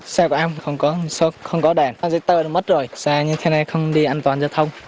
xe của em không có đèn xe tơ mất rồi xe như thế này không đi an toàn giao thông